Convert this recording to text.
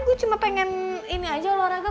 aku cuma pengen ini aja olahraga